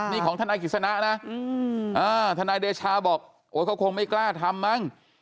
นี่ของทนายกิจสนะนะทนายเดชาบอกโอ้เขาคงไม่กล้าทำมั้ง